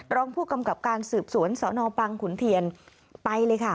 รองผู้กำกับการสืบสวนสนบังขุนเทียนไปเลยค่ะ